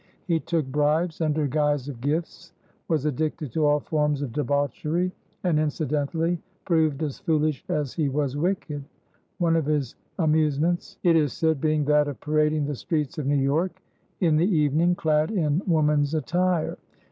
He took bribes under guise of gifts, was addicted to all forms of debauchery, and incidentally proved as foolish as he was wicked, one of his amusements, it is said, being that of parading the streets of New York in the evening, clad in woman's attire.